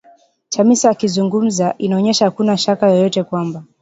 Chamisa akizungumza inaonyesha hakuna shaka yoyote kwamba